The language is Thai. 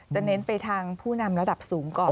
เน้นไปทางผู้นำระดับสูงก่อน